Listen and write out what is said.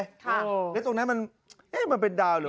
ค่ะแล้วตรงนั้นมันเอ๊ะมันเป็นดาวหรือ